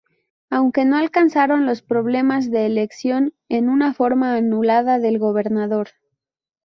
Aunque no alcanzaron los problemas de elección en una forma anulada del gobernador.